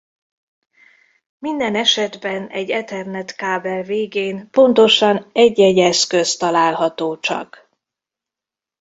Minden esetben egy Ethernet kábel végén pontosan egy-egy eszköz található csak.